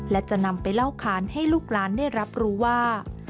และจะนำไปเล่าค้านให้ลูกล้านได้รับรู้ว่า